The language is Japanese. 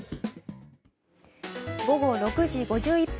午後６時５１分。